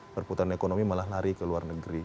perputaran ekonomi malah lari ke luar negeri